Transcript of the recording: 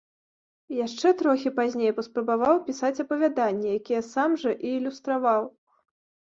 Яшчэ трохі пазней паспрабаваў пісаць апавяданні, якія сам жа і ілюстраваў.